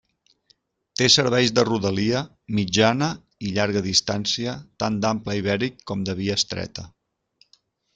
Té serveis de rodalia, mitjana i llarga distància tant d'ample ibèric com de via estreta.